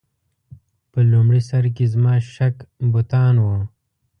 په لومړي سر کې زما شک بتان و.